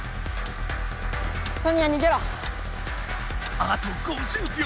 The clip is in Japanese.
あと５０秒！